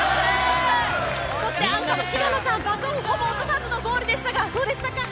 そしてアンカーの日向野さん、バトン、ほぼ落とさずのゴールでしたがどうでしたか？